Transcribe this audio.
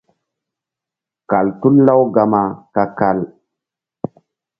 Kal tul Lawgama ka-kal.